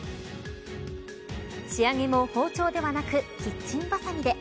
仕上げも包丁ではなくキッチンばさみで。